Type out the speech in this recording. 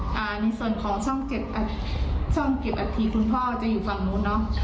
ในส่วนของช่องเจ็ดช่องเก็บอัฐิคุณพ่อจะอยู่ฝั่งนู้นเนอะ